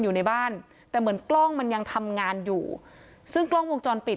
อยู่ในบ้านแต่เหมือนกล้องมันยังทำงานอยู่ซึ่งกล้องวงจรปิด